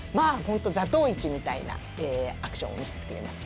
「座頭市」みたいなアクションを見せてくれます。